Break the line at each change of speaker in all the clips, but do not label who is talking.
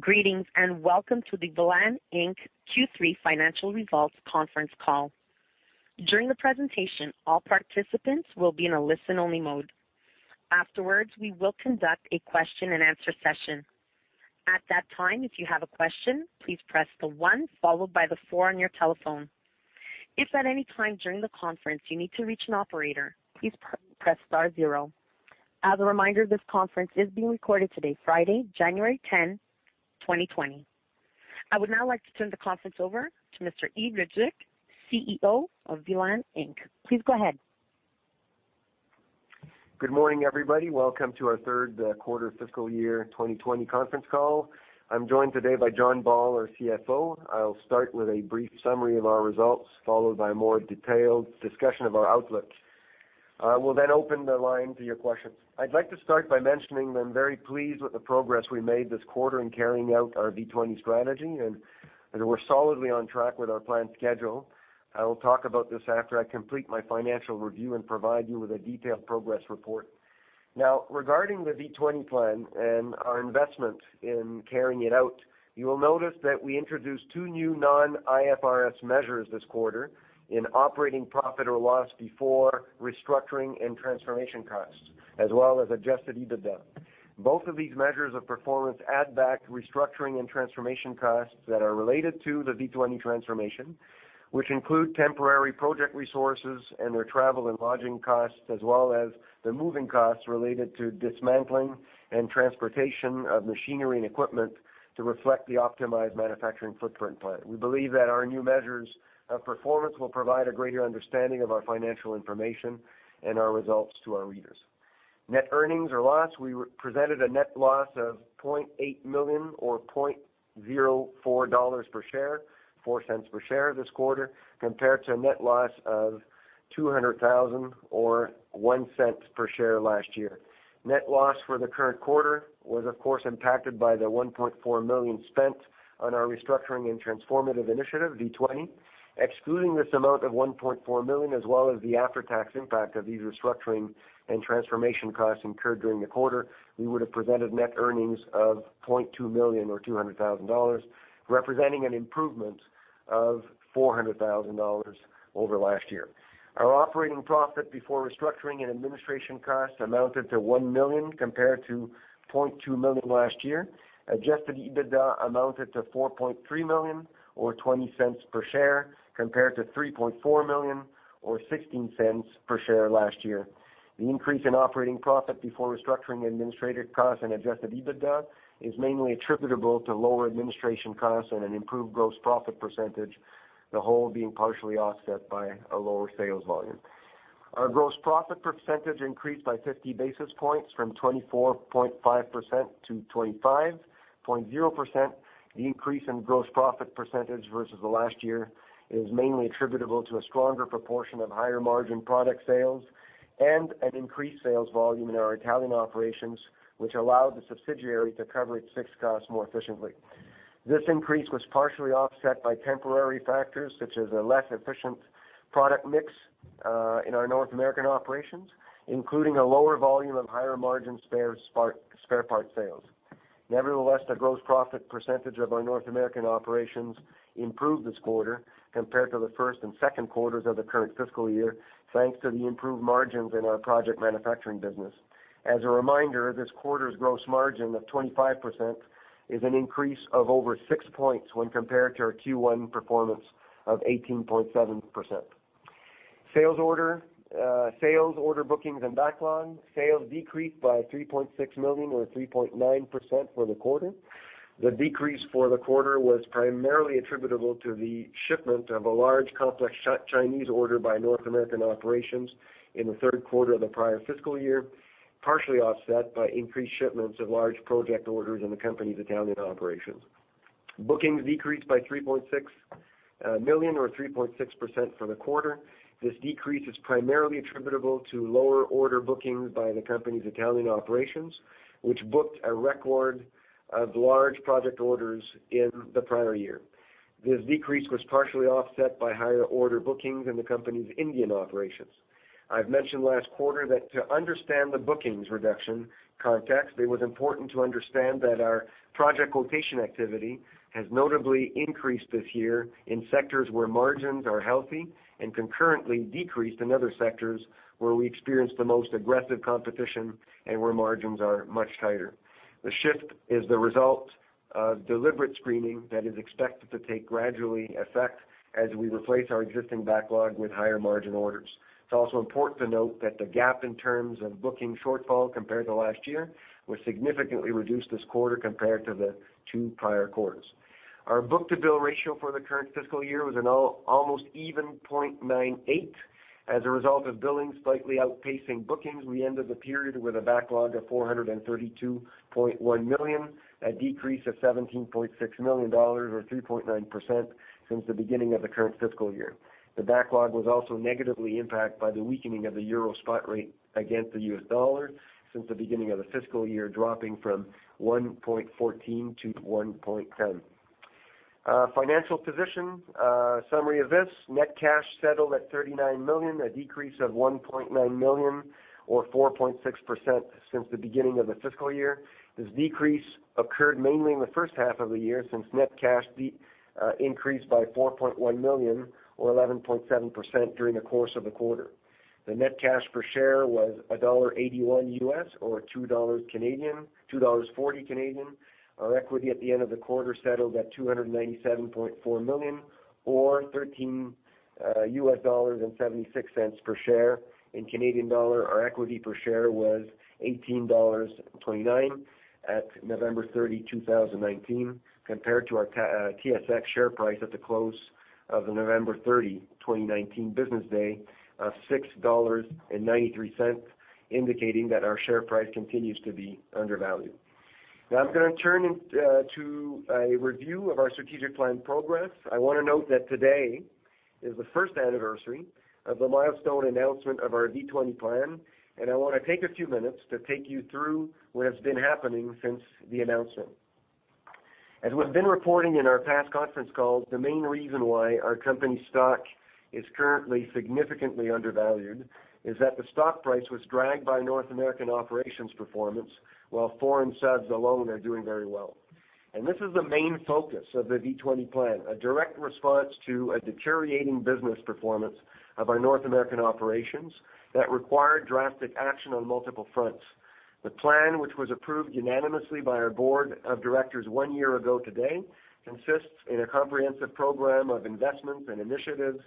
Greetings, and welcome to the Velan Inc. Q3 Financial Results Conference Call. During the presentation, all participants will be in a listen-only mode. Afterwards, we will conduct a question-and-answer session. At that time, if you have a question, please press the 1 followed by the 4 on your telephone. If at any time during the conference you need to reach an operator, please press star 0. As a reminder, this conference is being recorded today, Friday, January 10, 2020. I would now like to turn the conference over to Mr. Yves Leduc, CEO of Velan Inc. Please go ahead.
Good morning, everybody. Welcome to our third quarter fiscal year 2020 conference call. I'm joined today by John Ball, our CFO. I'll start with a brief summary of our results, followed by a more detailed discussion of our outlook. We'll then open the line to your questions. I'd like to start by mentioning that I'm very pleased with the progress we made this quarter in carrying out our V20 strategy, and that we're solidly on track with our planned schedule. I will talk about this after I complete my financial review and provide you with a detailed progress report. Now, regarding the V20 plan and our investment in carrying it out, you will notice that we introduced two new non-IFRS measures this quarter in operating profit or loss before restructuring and transformation costs, as well as adjusted EBITDA. Both of these measures of performance add back restructuring and transformation costs that are related to the V20 transformation, which include temporary project resources and their travel and lodging costs, as well as the moving costs related to dismantling and transportation of machinery and equipment to reflect the optimized manufacturing footprint plan. We believe that our new measures of performance will provide a greater understanding of our financial information and our results to our readers. Net earnings or loss, we presented a net loss of 0.8 million or 0.04 dollars per share this quarter, compared to a net loss of 200,000 or 0.01 per share last year. Net loss for the current quarter was, of course, impacted by the 1.4 million spent on our restructuring and transformative initiative, V20. Excluding this amount of $1.4 million, as well as the after-tax impact of these restructuring and transformation costs incurred during the quarter, we would have presented net earnings of $0.2 million or $200,000, representing an improvement of $400,000 over last year. Our operating profit before restructuring and administration costs amounted to $1 million compared to $0.2 million last year. Adjusted EBITDA amounted to $4.3 million or $0.20 per share, compared to $3.4 million or $0.16 per share last year. The increase in operating profit before restructuring administrative costs and adjusted EBITDA is mainly attributable to lower administration costs and an improved gross profit percentage, the whole being partially offset by a lower sales volume. Our gross profit percentage increased by 50 basis points from 24.5% to 25.0%. The increase in gross profit percentage versus the last year is mainly attributable to a stronger proportion of higher-margin product sales and an increased sales volume in our Italian operations, which allowed the subsidiary to cover its fixed costs more efficiently. This increase was partially offset by temporary factors such as a less efficient product mix in our North American operations, including a lower volume of higher-margin spare parts sales. Nevertheless, the gross profit percentage of our North American operations improved this quarter compared to the first and second quarters of the current fiscal year, thanks to the improved margins in our project manufacturing business. As a reminder, this quarter's gross margin of 25% is an increase of over six points when compared to our Q1 performance of 18.7%. Sales order bookings and backlogs. Sales decreased by $3.6 million or 3.9% for the quarter. The decrease for the quarter was primarily attributable to the shipment of a large complex Chinese order by North American operations in the third quarter of the prior fiscal year, partially offset by increased shipments of large project orders in the company's Italian operations. Bookings decreased by $3.6 million or 3.6% for the quarter. This decrease is primarily attributable to lower order bookings by the company's Italian operations, which booked a record of large project orders in the prior year. This decrease was partially offset by higher order bookings in the company's Indian operations. I've mentioned last quarter that to understand the bookings reduction context, it was important to understand that our project quotation activity has notably increased this year in sectors where margins are healthy and concurrently decreased in other sectors where we experienced the most aggressive competition and where margins are much tighter. The shift is the result of deliberate screening that is expected to take gradually effect as we replace our existing backlog with higher-margin orders. It's also important to note that the gap in terms of booking shortfall compared to last year was significantly reduced this quarter compared to the two prior quarters. Our book-to-bill ratio for the current fiscal year was an almost even 0.98. As a result of billing slightly outpacing bookings, we ended the period with a backlog of $432.1 million, a decrease of $17.6 million or 3.9% since the beginning of the current fiscal year. The backlog was also negatively impacted by the weakening of the euro spot rate against the US dollar since the beginning of the fiscal year, dropping from 1.14 to 1.10. Financial position. Summary of this: net cash settled at 39 million, a decrease of 1.9 million or 4.6% since the beginning of the fiscal year. This decrease occurred mainly in the first half of the year, since net cash increased by 4.1 million or 11.7% during the course of the quarter. The net cash per share was $1.81 or 2.40 Canadian dollars. Our equity at the end of the quarter settled at 297.4 million, or CAD 13.76 per share. In Canadian dollar, our equity per share was 18.29 dollars at November 30, 2019, compared to our TSX share price at the close of the November 30, 2019 business day of 6.93 dollars, indicating that our share price continues to be undervalued. Now I'm going to turn to a review of our strategic plan progress. I want to note that today is the first anniversary of the milestone announcement of our V20 plan, and I want to take a few minutes to take you through what has been happening since the announcement. As we've been reporting in our past conference calls, the main reason why our company stock is currently significantly undervalued is that the stock price was dragged by North American operations performance, while foreign subs alone are doing very well. This is the main focus of the V20 plan, a direct response to a deteriorating business performance of our North American operations that required drastic action on multiple fronts. The plan, which was approved unanimously by our board of directors one year ago today, consists in a comprehensive program of investments and initiatives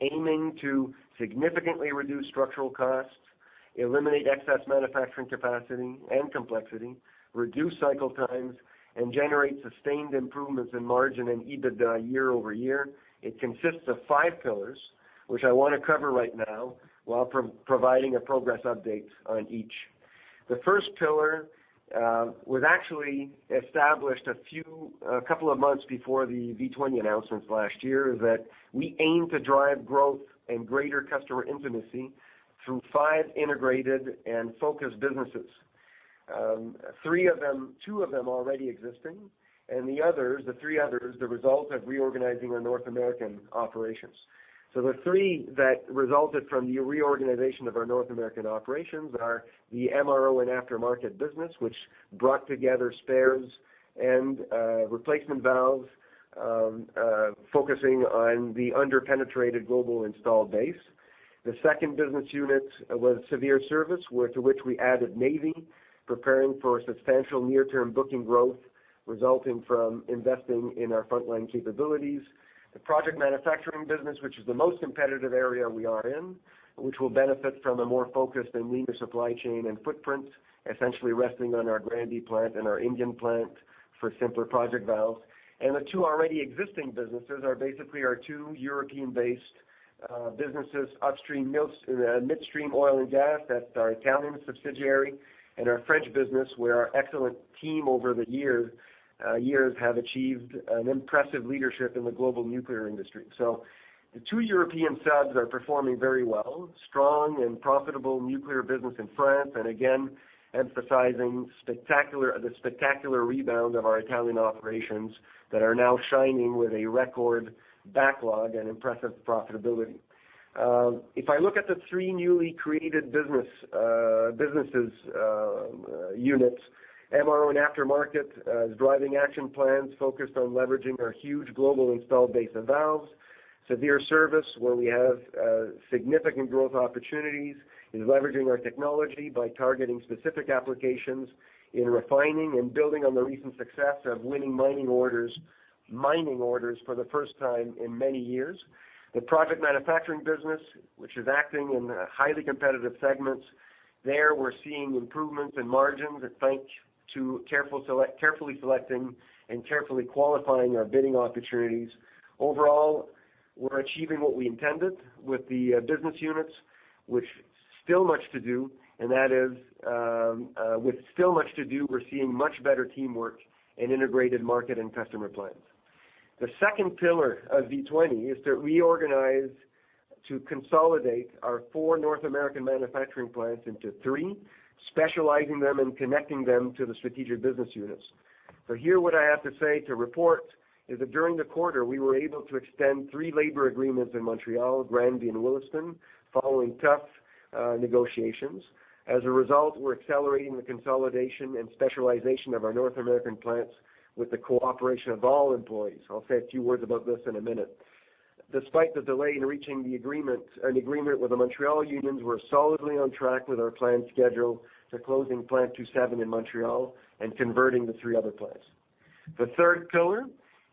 aiming to significantly reduce structural costs, eliminate excess manufacturing capacity and complexity, reduce cycle times, and generate sustained improvements in margin and EBITDA year-over-year. It consists of five pillars, which I want to cover right now while providing a progress update on each. The first pillar was actually established a couple of months before the V20 announcements last year, is that we aim to drive growth and greater customer intimacy through five integrated and focused businesses, two of them already existing, and the three others, the result of reorganizing our North American operations. The three that resulted from the reorganization of our North American operations are the MRO and aftermarket business, which brought together spares and replacement valves, focusing on the under-penetrated global installed base. The second business unit was severe service, to which we added Navy, preparing for substantial near-term booking growth resulting from investing in our frontline capabilities. The project manufacturing business, which is the most competitive area we are in, which will benefit from a more focused and leaner supply chain and footprint, essentially resting on our Granby plant and our Indian plant for simpler project valves. The two already existing businesses are basically our two European-based businesses, upstream, midstream oil and gas, that's our Italian subsidiary, and our French business, where our excellent team over the years have achieved an impressive leadership in the global nuclear industry. The two European subs are performing very well. Strong and profitable nuclear business in France, and again, emphasizing the spectacular rebound of our Italian operations that are now shining with a record backlog and impressive profitability. If I look at the three newly created business units, MRO and aftermarket is driving action plans focused on leveraging our huge global installed base of valves. Severe service, where we have significant growth opportunities in leveraging our technology by targeting specific applications in refining and building on the recent success of winning mining orders for the first time in many years. The project manufacturing business, which is acting in highly competitive segments. There, we're seeing improvements in margins thanks to carefully selecting and carefully qualifying our bidding opportunities. Overall, we're achieving what we intended with the business units. With still much to do, we're seeing much better teamwork and integrated market and customer plans. The second pillar of V20 is to reorganize to consolidate our four North American manufacturing plants into three, specializing them and connecting them to the strategic business units. Here, what I have to say to report is that during the quarter, we were able to extend three labor agreements in Montreal, Granby, and Williston following tough negotiations. As a result, we're accelerating the consolidation and specialization of our North American plants with the cooperation of all employees. I'll say a few words about this in a minute. Despite the delay in reaching an agreement with the Montreal unions, we're solidly on track with our planned schedule for closing Plant 27 in Montreal and converting the three other plants. The third pillar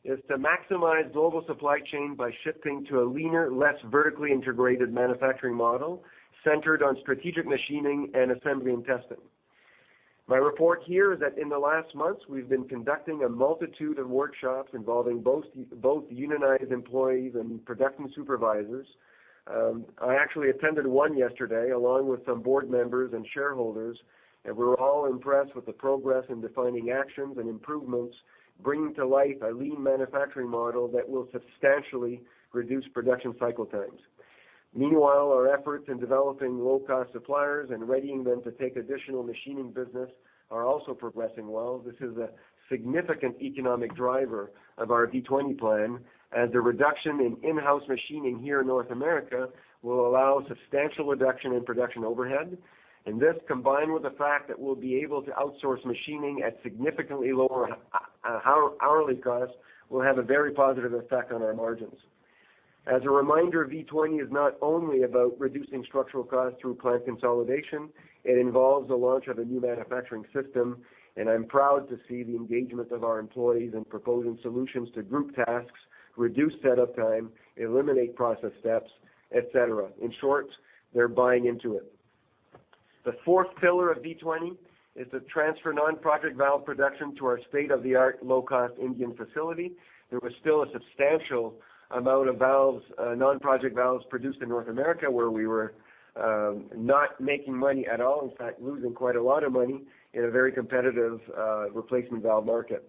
is to maximize global supply chain by shifting to a leaner, less vertically integrated manufacturing model centered on strategic machining and assembly and testing. My report here is that in the last months, we've been conducting a multitude of workshops involving both unionized employees and production supervisors. I actually attended one yesterday, along with some board members and shareholders, and we're all impressed with the progress in defining actions and improvements, bringing to life a lean manufacturing model that will substantially reduce production cycle times. Meanwhile, our efforts in developing low-cost suppliers and readying them to take additional machining business are also progressing well. This is a significant economic driver of our V20 plan, as the reduction in in-house machining here in North America will allow substantial reduction in production overhead. This, combined with the fact that we'll be able to outsource machining at significantly lower hourly cost, will have a very positive effect on our margins. As a reminder, V20 is not only about reducing structural costs through plant consolidation. It involves the launch of a new manufacturing system, and I'm proud to see the engagement of our employees in proposing solutions to group tasks, reduce setup time, eliminate process steps, et cetera. In short, they're buying into it. The fourth pillar of V20 is to transfer non-project valve production to our state-of-the-art low-cost Indian facility. There was still a substantial amount of non-project valves produced in North America, where we were not making money at all, in fact, losing quite a lot of money in a very competitive replacement valve market.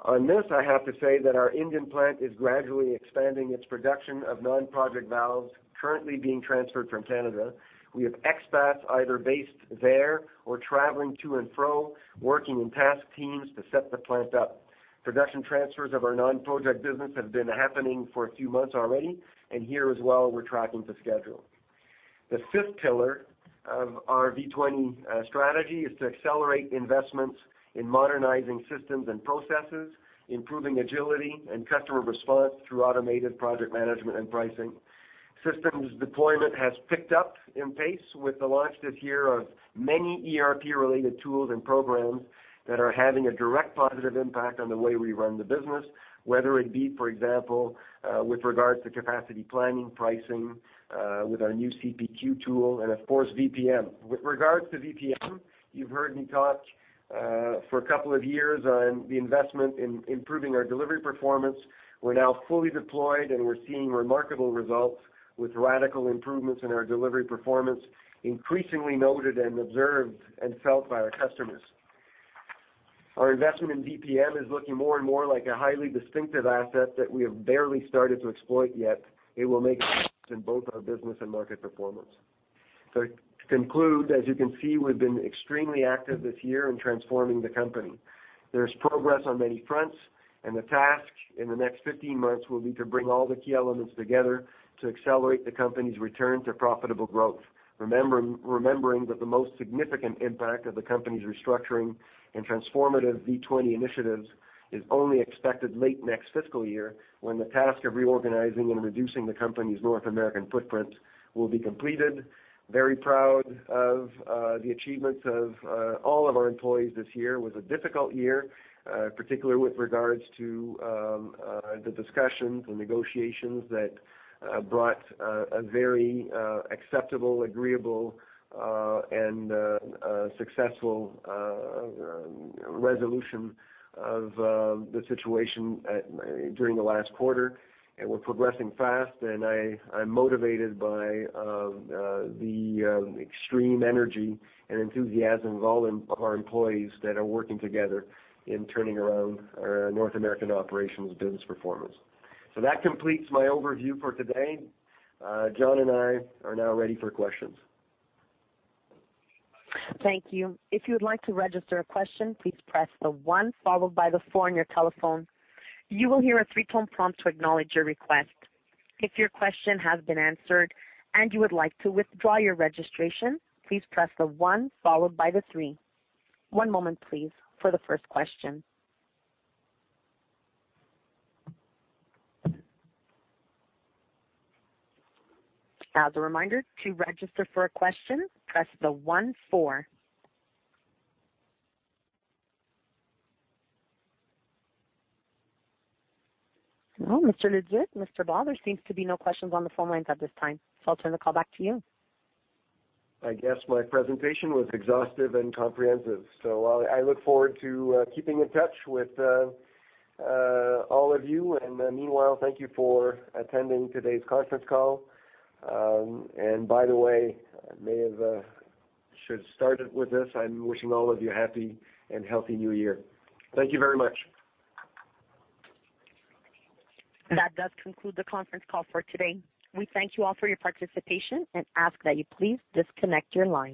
On this, I have to say that our Indian plant is gradually expanding its production of non-project valves currently being transferred from Canada. We have expats either based there or traveling to and fro, working in task teams to set the plant up. Production transfers of our non-project business have been happening for a few months already, and here as well, we're tracking to schedule. The fifth pillar of our V20 strategy is to accelerate investments in modernizing systems and processes, improving agility and customer response through automated project management and pricing. Systems deployment has picked up in pace with the launch this year of many ERP-related tools and programs that are having a direct positive impact on the way we run the business, whether it be, for example, with regards to capacity planning, pricing with our new CPQ tool, and of course, VPM. With regards to VPM, you've heard me talk for a couple of years on the investment in improving our delivery performance. We're now fully deployed, and we're seeing remarkable results with radical improvements in our delivery performance, increasingly noted and observed and felt by our customers. Our investment in VPM is looking more and more like a highly distinctive asset that we have barely started to exploit yet. It will make a difference in both our business and market performance. To conclude, as you can see, we've been extremely active this year in transforming the company. There's progress on many fronts, and the task in the next 15 months will be to bring all the key elements together to accelerate the company's return to profitable growth. Remembering that the most significant impact of the company's restructuring and transformative V20 initiatives is only expected late next fiscal year, when the task of reorganizing and reducing the company's North American footprint will be completed. We are very proud of the achievements of all of our employees this year. It was a difficult year, particularly with regards to the discussions and negotiations that brought a very acceptable, agreeable, and successful resolution of the situation during the last quarter. We're progressing fast, and I'm motivated by the extreme energy and enthusiasm of all of our employees that are working together in turning around our North American operations business performance. That completes my overview for today. John and I are now ready for questions.
Thank you. If you would like to register a question, please press the one followed by the four on your telephone. You will hear a three-tone prompt to acknowledge your request. If your question has been answered and you would like to withdraw your registration, please press the one followed by the three. One moment, please, for the first question. As a reminder, to register for a question, press the one four. Well, Mr. Leduc, Mr. Ball, there seems to be no questions on the phone lines at this time, so I'll turn the call back to you.
I guess my presentation was exhaustive and comprehensive. I look forward to keeping in touch with all of you. Meanwhile, thank you for attending today's conference call. By the way, I should start with this. I'm wishing all of you a happy and healthy new year. Thank you very much.
That does conclude the conference call for today. We thank you all for your participation and ask that you please disconnect your lines.